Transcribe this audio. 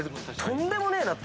とんでもねえのは。